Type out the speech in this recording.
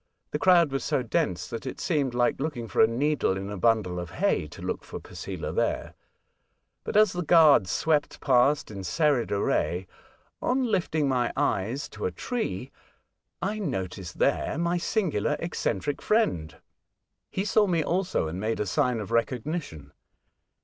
The crowd was so dense that it seemed Hke looking for a needle in a bundle of hay to look for Posela there; but, as the Gruards swept past in serried array, on lifting my eyes to a tree, I noticed there my singular, eccentric friend. He saw me also, and made a sign of recognition.